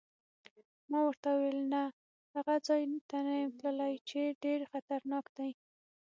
ما ورته وویل: نه، هغه ځای ته نه یم تللی چې ډېر خطرناک دی.